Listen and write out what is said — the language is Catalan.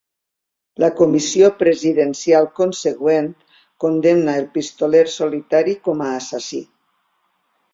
La comissió presidencial consegüent condemna el pistoler solitari com a assassí.